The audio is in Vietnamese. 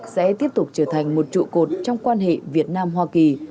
sẽ tiếp tục trở thành một trụ cột trong quan hệ việt nam hoa kỳ